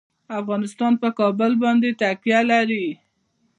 افغانستان په کابل باندې تکیه لري.